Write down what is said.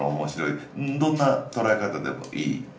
どんな捉え方でもいい。